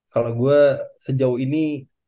kalau gua sejauh ini